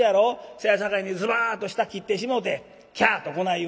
せやさかいにズバッと下切ってしもうて『キャ』とこない言うねん」。